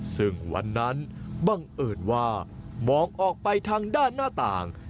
ซึ่งวันนั้นบังเอิญว่ามองออกไปทางด้านหน้าต่าง